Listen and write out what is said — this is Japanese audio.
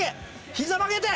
膝曲げて！